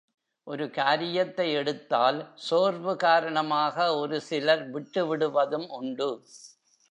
ஒரு காரியத்தை எடுத்தால் சோர்வு காரணமாக ஒரு சிலர் விட்டுவிடுவதும் உண்டு.